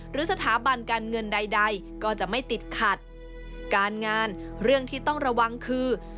หรือสถาบันการเงินใดใดก็จะไม่ติดขัดการงานเรื่องที่ต้องระวังคือ